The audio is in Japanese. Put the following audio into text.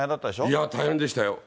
いや、大変でしたよ。